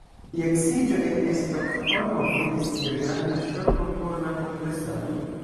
Lia eksiĝo en Stokholmo venis kiel granda ŝoko por la kongresanoj.